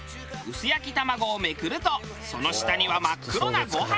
薄焼き卵をめくるとその下には真っ黒なご飯。